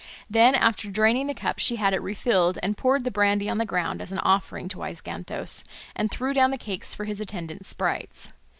Then, after draining the cup, she had it refilled, and poured the brandy on the ground as an offering to Waizganthos, and threw down the cakes for his attendant sprites.